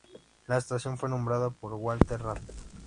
La estación fue nombrada por Walter Rand.